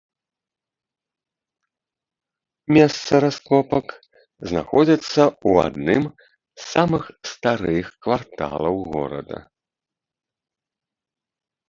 Месца раскопак знаходзіцца у адным з самых старых кварталаў горада.